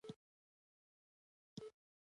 سړک په کم کیفیت پخ کړي.